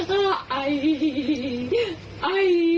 ออกมา